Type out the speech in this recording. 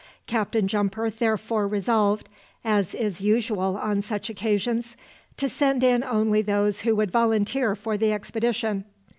Captain Jumper therefore resolved, as is usual on such occasions, to send in only those who would volunteer for the expedition.